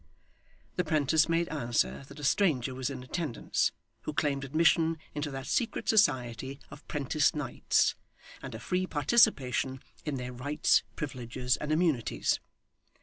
The 'prentice made answer that a stranger was in attendance, who claimed admission into that secret society of 'Prentice Knights, and a free participation in their rights, privileges, and immunities.